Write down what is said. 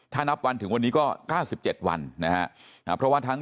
ถ้านับวันถึงวันนี้ก็ก้าสิบเจ็ดวันนะฮะเพราะว่าทั้ง